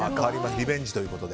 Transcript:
リベンジということで。